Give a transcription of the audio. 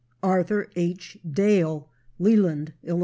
Arthur H. Dale, Leland, Ill.